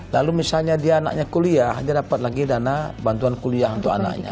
lalu misalnya dia anaknya kuliah dia dapat lagi dana bantuan kuliah untuk anaknya